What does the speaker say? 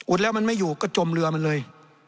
แล้วมันไม่อยู่ก็จมเรือมันเลย